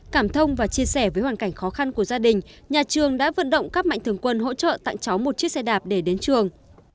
cảm thông và chia sẻ với hoàn cảnh khó khăn của gia đình nhà trường đã vận động các mạnh thường quân hỗ trợ tặng cháu một chiếc xe đạp để đến trường